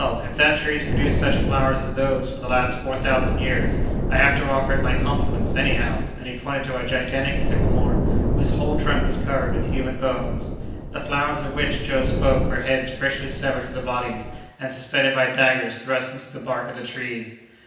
if that tree has produced such flowers as those, for the last four thousand years, I have to offer it my compliments, anyhow," and he pointed to a gigantic sycamore, whose whole trunk was covered with human bones. The flowers of which Joe spoke were heads freshly severed from the bodies, and suspended by daggers thrust into the bark of the tree.